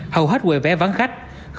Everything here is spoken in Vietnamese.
hầu hết quầy vé vắng khách